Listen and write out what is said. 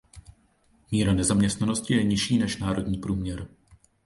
Míra nezaměstnanosti je nižší než národní průměr.